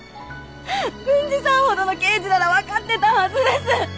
郡司さんほどの刑事ならわかってたはずです！